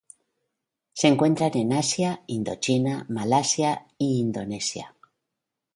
Se encuentran en Asia: Indochina, Malasia y Indonesia.